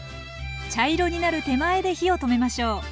茶色になる手前で火を止めましょう。